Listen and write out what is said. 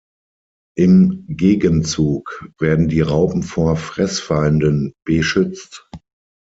Im Gegenzug werden die Raupen vor Fressfeinden beschützt.